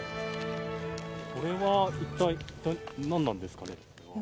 これはいったい何なんですかね。